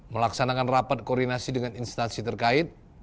melaksanakan rapat koordinasi dengan instansi terkait